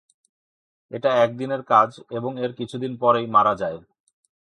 এটা এক দিনের কাজ এবং এর কিছুদিন পরেই মারা যায়।